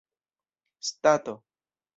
stato